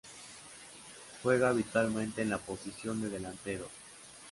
Juega habitualmente en la posición de delantero.